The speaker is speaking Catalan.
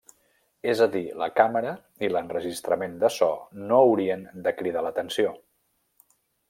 És a dir, la càmera i l'enregistrament de so no haurien de cridar l'atenció.